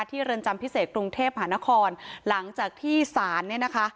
เรือนจำพิเศษกรุงเทพหานครหลังจากที่ศาลเนี่ยนะคะ